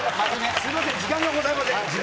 すみません、時間がございません。